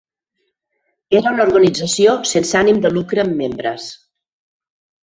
Era una organització sense ànim de lucre amb membres.